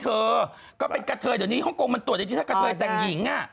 เธอก็เป็นกะเทยเดี๋ยวนี้ฮ่องกงมันตรวจจริงถ้ากระเทยแต่งหญิงอ่ะ